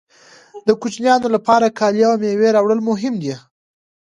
د کوچنیانو لپاره کالي او مېوه راوړل مهم دي